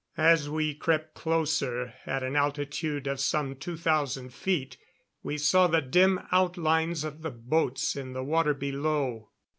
As we crept closer, at an altitude of some two thousand feet, we saw the dim outlines of the boats in the water below.